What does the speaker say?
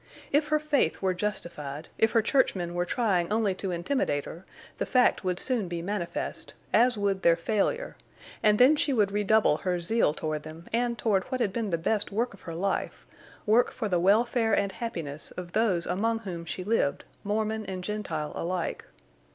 If her faith were justified, if her churchmen were trying only to intimidate her, the fact would soon be manifest, as would their failure, and then she would redouble her zeal toward them and toward what had been the best work of her life—work for the welfare and happiness of those among whom she lived, Mormon and Gentile alike.